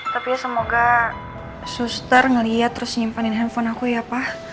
tapi ya semoga suster ngelihat terus nyimpanin handphone aku ya pak